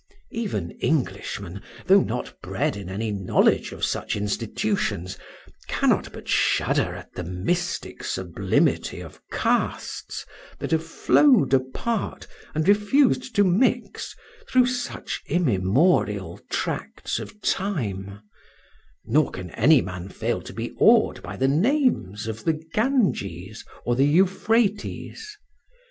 Even Englishmen, though not bred in any knowledge of such institutions, cannot but shudder at the mystic sublimity of castes that have flowed apart, and refused to mix, through such immemorial tracts of time; nor can any man fail to be awed by the names of the Ganges or the Euphrates.